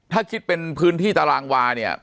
ถ้าคิดเป็นพื้นที่ตารางวาเนี่ย